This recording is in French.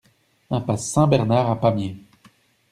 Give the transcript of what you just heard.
Impasse Saint-Bernard à Pamiers